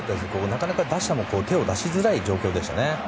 なかなか打者も手を出しづらい状況でしたね。